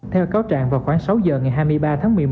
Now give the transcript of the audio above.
theo cáo trạng vào khoảng sáu giờ ngày hai mươi ba tháng một mươi một